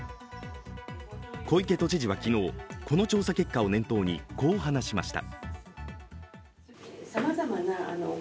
小池都知事は昨日、この調査結果を念頭にこう話しました。